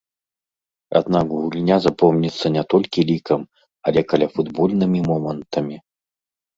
Аднак гульня запомніцца не толькі лікам, але каляфутбольнымі момантамі.